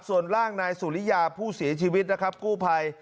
ส่วนร่างนายสุริยาผู้เสียชีวิตนะครับกู้ภัย